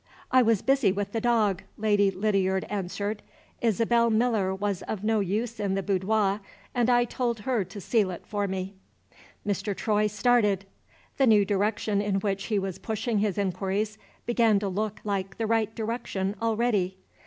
"I was busy with the dog," Lady Lydiard answered. "Isabel Miller was of no use in the boudoir, and I told her to seal it for me." Mr. Troy started. The new direction in which he was pushing his inquiries began to look like the right direction already.